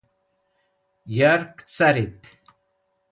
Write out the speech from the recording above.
yark carit